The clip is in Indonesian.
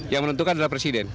yang menentukan adalah presiden